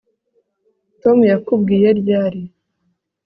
tom yakubwiye ryari